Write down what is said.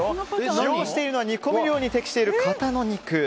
使用しているのは煮込み料理に適している肩の肉。